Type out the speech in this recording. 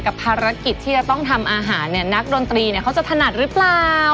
ภารกิจที่จะต้องทำอาหารเนี่ยนักดนตรีเนี่ยเขาจะถนัดหรือเปล่า